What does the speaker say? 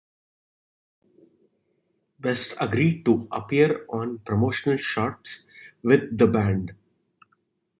Best agreed to appear on promotional shots with the band.